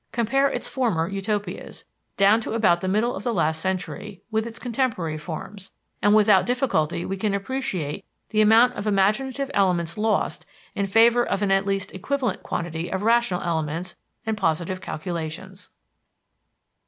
Compare its former utopias, down to about the middle of the last century, with its contemporary forms, and without difficulty we can appreciate the amount of imaginative elements lost in favor of an at least equivalent quantity of rational elements and positive calculations.